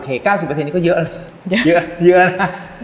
อเจมส์๙๐นี่ก็เยอะนะ